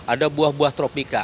ada buah buah tropika